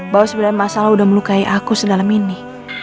bahwa sebenarnya mas al udah melukai aku sedalam ini